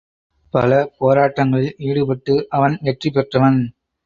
பல போராட்டங்களில் ஈடுபட்டு அவன் வெற்றி பெற்றவன்.